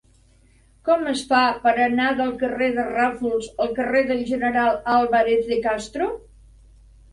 Com es fa per anar del carrer de Ràfols al carrer del General Álvarez de Castro?